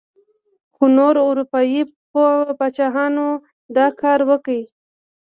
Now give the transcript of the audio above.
خو نورو اروپايي پاچاهانو دا کار وکړ.